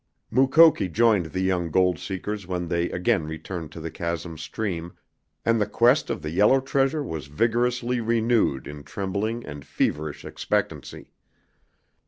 Mukoki joined the young gold seekers when they again returned to the chasm stream, and the quest of the yellow treasure was vigorously renewed in trembling and feverish expectancy.